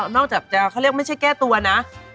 นอกจากจะเขาเรียกไม่ใช่แก้ตัวนะ